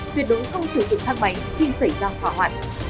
tuyệt đối không sử dụng thang máy khi xảy ra hỏa hoạn